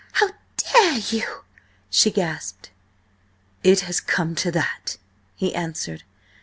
"H how dare you?" she gasped. "It has come to that!" he answered.